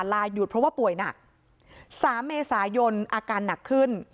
ลาหยุดเพราะว่าป่วยหนัก๓เมษายนอาการหนักขึ้น